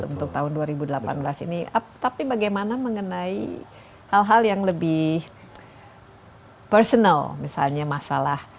untuk tahun dua ribu delapan belas ini tapi bagaimana mengenai hal hal yang lebih personal misalnya masalah